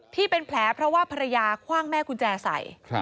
ที่เป็นแผลเพราะว่าภรรยาคว่างแม่กุญแจใส่